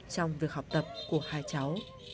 trong việc học tập của hai cháu